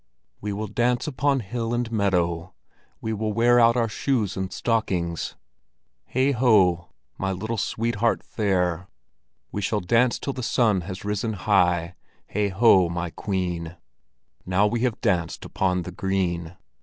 "We will dance upon hill and meadow, We will wear out our shoes and stockings. Heigh ho, my little sweetheart fair, We shall dance till the sun has risen high. Heigh ho, my queen! Now we have danced upon the green."